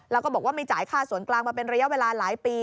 แล้วก็บอกว่าไม่จ่ายค่าส่วนกลางมาเป็นระยะเวลาหลายปี